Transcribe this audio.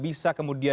apakah ini juga